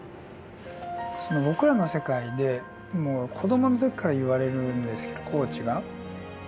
その僕らの世界でもう子どもの時から言われるんですけどコーチが。